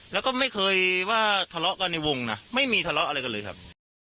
แล้วก็ไม่เคยว่าทะเลาะกันในวงนะไม่มีทะเลาะอะไรกันเลยครับ